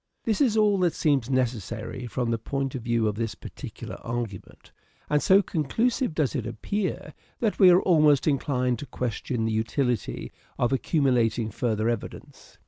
This is all that seems necessary from the point of view of this particular argument ; and so conclusive does it appear that we are almost inclined to question the utility of accumulating further evidence.